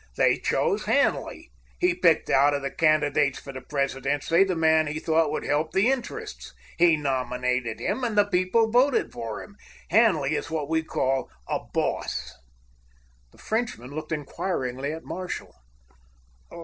They chose Hanley. He picked out of the candidates for the presidency the man he thought would help the interests. He nominated him, and the people voted for him. Hanley is what we call a 'boss.'" The Frenchman looked inquiringly at Marshall.